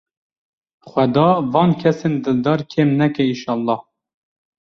Xweda van kesên dildar kêm neke înşellah.